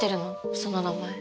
その名前。